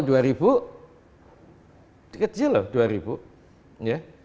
kecil loh dua ribu